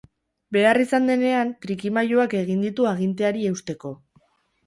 Behar izan denean, trikimailuak egin ditu aginteari eusteko.